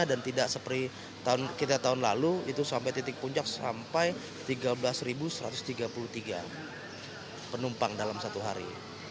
dan tidak seperti kita tahun lalu itu sampai titik puncak sampai tiga belas satu ratus tiga puluh tiga penumpang dalam satu hari